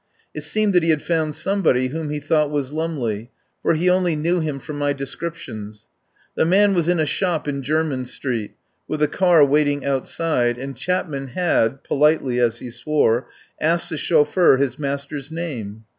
It seemed that he had found somebody whom he thought was Lumley, for he only knew him from my descriptions. The man was in a shop in Jermyn Street, with a car waiting out side, and Chapman had — politely, as he swore —asked the chauffeur his master's name.